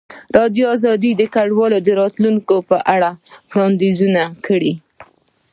ازادي راډیو د کډوال د راتلونکې په اړه وړاندوینې کړې.